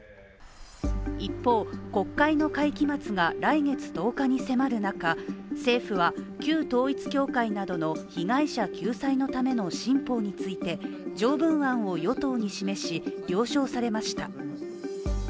一方、国会の会期末が来月１０日に迫る中、政府は、旧統一教会などの被害者救済のための新法について条文案を与党に示し、了承されました。